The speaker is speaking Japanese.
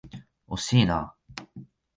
惜しいな。